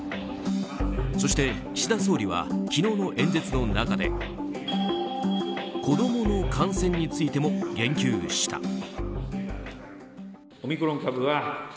そして、岸田総理は昨日の演説の中で子供の感染についても言及した。